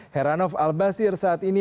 heranov albasir saat ini